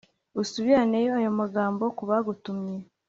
usubiraneyo ayo magambo ku bagutumye’